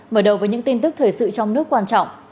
mở đầu với những tin tức thời sự trong nước quan trọng